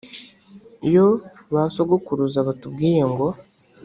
iyo basogokuruza batubwiye ngo